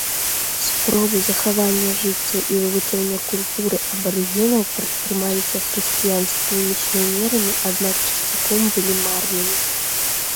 Спробы захавання жыццяў і вывучэння культуры абарыгенаў прадпрымаліся хрысціянскімі місіянерамі, аднак часцяком былі марнымі.